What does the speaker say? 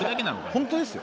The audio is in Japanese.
本当ですよ